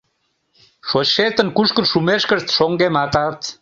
Шочшетын кушкын шумешкышт шоҥгематат.